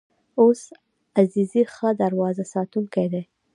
اویس عزیزی ښه دروازه ساتونکی دی.